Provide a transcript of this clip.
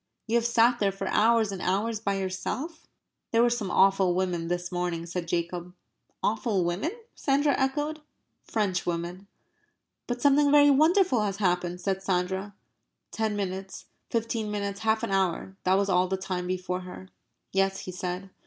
"You have sat there for hours and hours by yourself?" "There were some awful women this morning," said Jacob. "Awful women?" Sandra echoed. "Frenchwomen." "But something very wonderful has happened," said Sandra. Ten minutes, fifteen minutes, half an hour that was all the time before her. "Yes," he said.